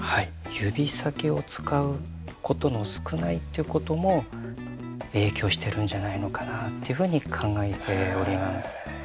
指先を使うことの少ないということも影響してるんじゃないのかなというふうに考えております。